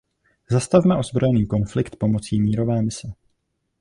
Zastavme ozbrojený konflikt pomocí mírové mise.